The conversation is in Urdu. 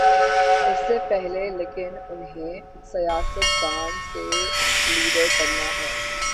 اس سے پہلے لیکن انہیں سیاست دان سے لیڈر بننا ہے۔